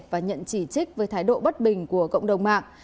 và nhận chỉ trích với thái độ bất bình của cộng đồng mạng